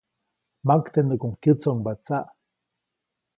Maktenuʼkuŋ kyätsoʼŋba tsaʼ.